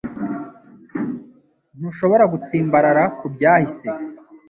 Ntushobora gutsimbarara ku byahise